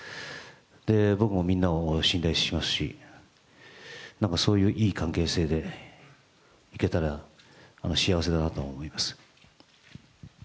僕もみんなを信頼していますし、そういういい関係性でいけたら幸せだなと思います。